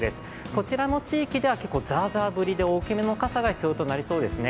こちらの地域では結構ザーザー降りで結構大きめの傘が必要ですね